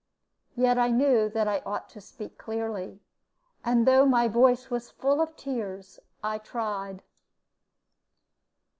Yet I knew that I ought to speak clearly, and though my voice was full of tears, I tried.